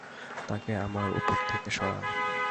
তাকে আমার উপর থেকে সরা!